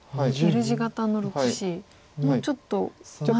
Ｌ字型の６子もちょっとまだ。